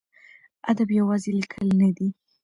ادب یوازې لیکل نه دي.